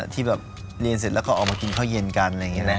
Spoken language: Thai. ที่เรียนเสร็จก็กินข้าวเย็นกัน